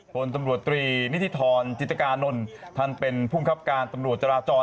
ผลตำรวจตรีนิธิธรจิตกานนท์ท่านเป็นภูมิคับการตำรวจจราจร